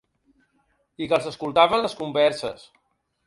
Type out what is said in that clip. I que els escoltaven les converses.